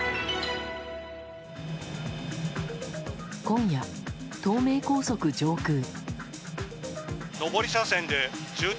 今夜、東名高速上空。